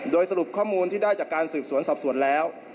โดยสรุปข้อมูลที่ได้จากการสืบสวนสอบสวนแล้ว